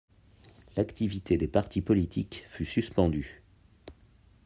L’activité des partis politiques fut suspendue.